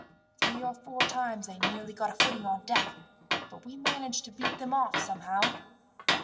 "Three or four times they nearly got a footing on deck, but we managed to beat them off somehow.